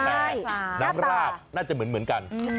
ใช่น้ำราดน่าจะเหมือนกัน